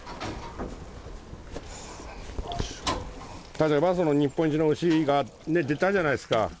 例えば日本一の牛が出たじゃないですか。